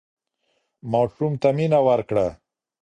ماشوم ته مينه ورکړه